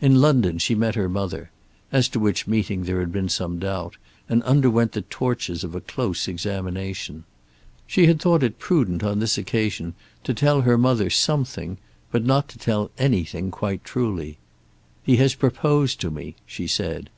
In London she met her mother, as to which meeting there had been some doubt, and underwent the tortures of a close examination. She had thought it prudent on this occasion to tell her mother something, but not to tell anything quite truly. "He has proposed to me," she said.